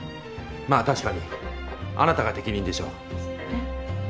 まあ確かにあなたが適任でしょう。え？